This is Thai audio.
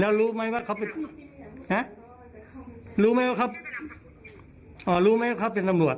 แล้วรู้ไหมว่าเขาเป็นนะรู้ไหมว่าเขารู้ไหมว่าเขาเป็นตำรวจ